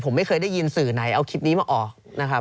ผมไม่เคยได้ยินสื่อไหนเอาคลิปนี้มาออกนะครับ